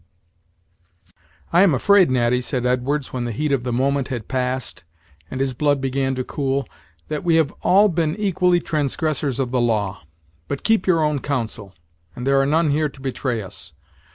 "I am afraid, Natty," said Edwards, when the heat of the moment had passed, and his blood began to cool, "that we have all been equally transgressors of the law. But keep your own counsel, and there are none here to betray us.